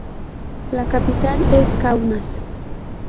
La capital es Kaunas.